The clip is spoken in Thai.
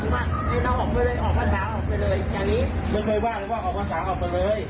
นี่ค่ะคือชะบานบอกไม่สบายใจ